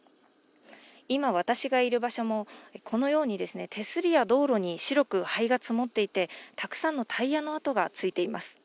今、私がいる場所も手すりや道路に白く灰が積もっていて、たくさんのタイヤの跡がついています。